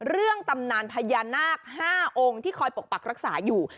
ตำนานพญานาค๕องค์ที่คอยปกปักรักษาอยู่